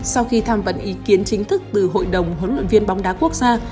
sau khi tham vấn ý kiến chính thức từ hội đồng huấn luyện viên bóng đá quốc gia